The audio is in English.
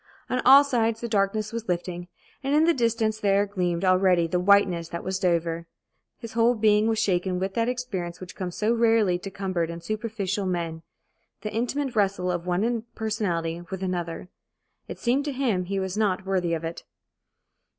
On all sides the darkness was lifting, and in the distance there gleamed already the whiteness that was Dover. His whole being was shaken with that experience which comes so rarely to cumbered and superficial men the intimate wrestle of one personality with another. It seemed to him he was not worthy of it.